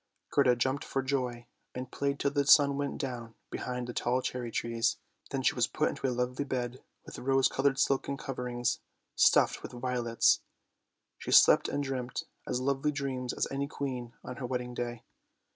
Gerda jumped for joy and played till the sun went down behind the tall cherry trees. Then she was put into a lovely bed with rose coloured silken coverings stuffed with violets ; she slept and dreamt as lovely dreams as any queen on her wedding day.